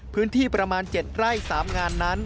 พื้นที่ประมาณ๗ไร่๓งานนั้น